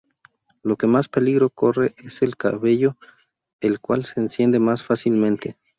Lo que más peligro corre es el cabello, el cual se enciende más fácilmente.